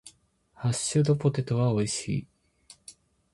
ハッシュドポテトは美味しい。